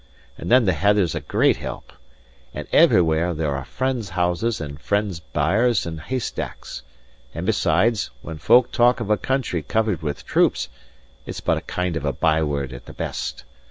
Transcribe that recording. And then the heather's a great help. And everywhere there are friends' houses and friends' byres and haystacks. And besides, when folk talk of a country covered with troops, it's but a kind of a byword at the best.